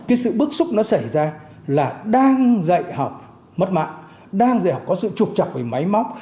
cái sự bức xúc nó xảy ra là đang dạy học mất mạng đang dạy học có sự trục chặt về máy móc